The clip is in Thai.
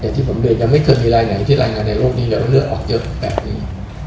ที่ผมเรียนยังไม่เคยมีรายไหนที่รายงานในโลกนี้เลยว่าเลือดออกเยอะแบบนี้